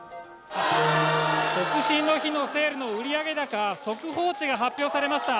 独身の日のセールの売上高、速報値が発表されました。